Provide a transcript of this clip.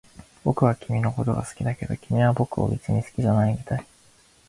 僕は君のことが好きだけど、君は僕を別に好きじゃないみたい